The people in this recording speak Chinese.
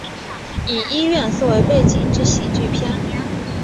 以医院作为背景之喜剧片。